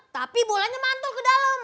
tapi bolanya mantu ke dalam